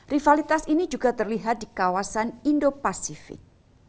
rivalitas ini juga terlihat di kawasan indo pasifik